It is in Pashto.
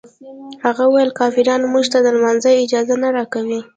هغه ویل کافران موږ ته د لمانځه اجازه نه راکوي.